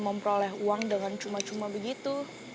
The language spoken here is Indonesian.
memperoleh uang dengan cuma cuma begitu